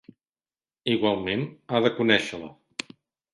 Igualment, ha de conèixer-la.